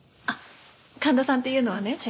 あっ神田さんっていうのはね。